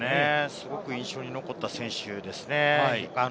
すごく印象に残った選手ですね。